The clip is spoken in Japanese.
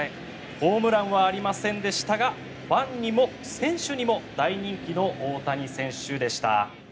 ホームランはありませんでしたがファンにも選手にも大人気の大谷選手でした。